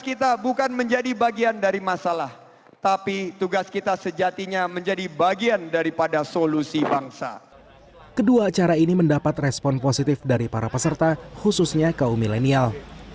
kedua acara ini mendapat respon positif dari para peserta khususnya kaum milenial